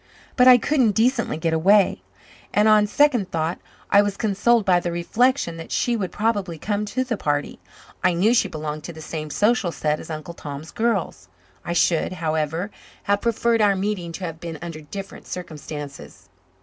But I couldn't decently get away, and on second thoughts I was consoled by the reflection that she would probably come to the party. I knew she belonged to the same social set as Uncle Tom's girls. I should, however, have preferred our meeting to have been under different circumstances.